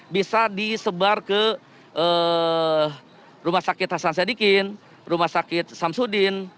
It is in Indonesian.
bisa disebar ke rumah sakit hasan sadikin rumah sakit samsudin